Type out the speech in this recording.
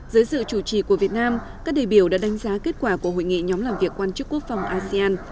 dưới sự chủ trì của việt nam các đề biểu đã đánh giá kết quả của hội nghị nhóm làm việc quan chức quốc phòng asean